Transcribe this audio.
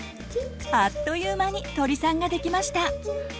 あっという間に鳥さんができました！